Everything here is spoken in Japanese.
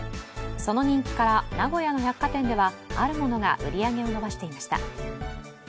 その人気から、名古屋の百貨店ではあるものが売り上げを伸ばしていました。